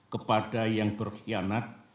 kepada yang berkhianat